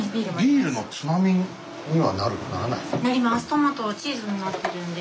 トマトチーズになってるんで。